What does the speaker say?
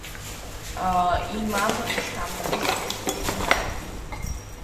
იმამ შამილის ერთ-ერთი ნაიბი.